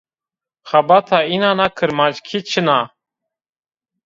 Xebata înan a kirmanckî çin a